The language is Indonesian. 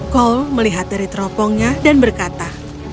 kol melihat dari teropongnya dan berkata